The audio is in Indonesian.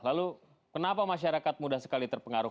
lalu kenapa masyarakat mudah sekali terpengaruh